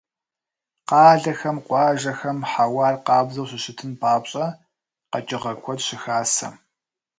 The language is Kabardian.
Къалэхэм, къуажэхэм хьэуар къабззу щыщытын папщӀэ, къэкӀыгъэ куэд щыхасэ.